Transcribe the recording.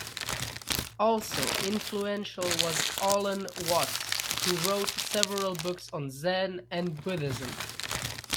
Also influential was Alan Watts, who wrote several books on Zen and Buddhism.